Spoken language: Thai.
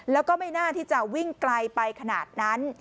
แล้วก็ไม่น่าที่จะวิ่งไกลไปขนาดนั้น